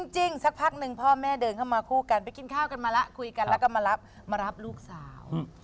จริงสักพักนึงซุดคือพ่อแม่เดินมาคู่กันไปกินคราวกันมาคุยกันแล้วก็มารับลูกสาว